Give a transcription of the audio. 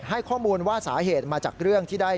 ให้ข้อมูลว่าสาเหตุมาจากเรื่องที่ได้